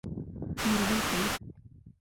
Yürümek mi?